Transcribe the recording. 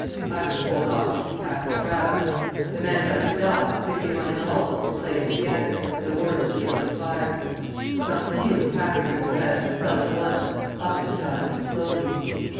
I was told off to keep back the crowd. The men about to die, fifty one in all, were placed together, and the word was given to fire. Some few, happier than the rest, fell at once, others died but slowly.